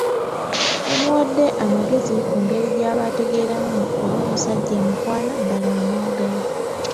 Namuwadde amagezi ku ngeri gy'aba ategeeramu oba omusajja amukwana ddala amwagala.